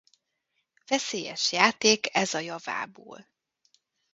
Veszélyes játék ez a javából.